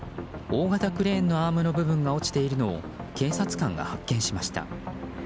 大型クレーンのアームの部分が落ちているのを警察官が発見しました。